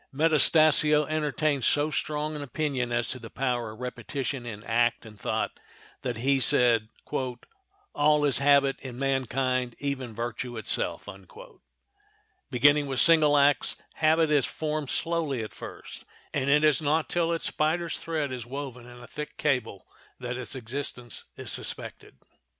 Metastasio entertained so strong an opinion as to the power of repetition in act and thought that he said, "All is habit in mankind, even virtue itself." Beginning with single acts habit is formed slowly at first, and it is not till its spider's thread is woven in a thick cable that its existence is suspected.